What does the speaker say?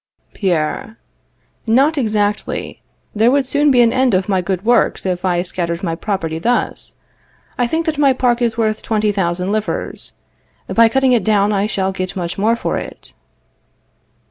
Pierre. Not exactly. There would soon be an end of my good works if I scattered my property thus. I think that my park is worth twenty thousand livres; by cutting it down I shall get much more for it.